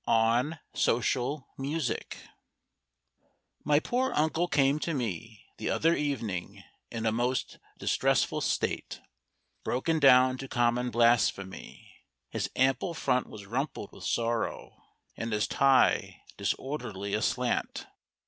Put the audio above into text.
ON SOCIAL MUSIC My poor uncle came to me the other evening in a most distressful state, broken down to common blasphemy. His ample front was rumpled with sorrow and his tie disorderly aslant.